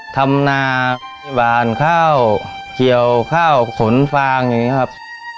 ทำนาบานข้าวเกี่ยวข้าวขนฟางอย่างนี้ครับ